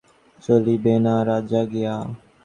সমস্ত রাত অমন জাগিয়া কাটাইলে চলিবে না।